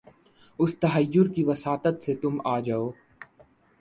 اُس تحیّر کی وساطت سے تُم آؤ جاؤ